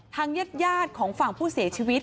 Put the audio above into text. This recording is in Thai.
ทางญาติของฝั่งผู้เสียชีวิต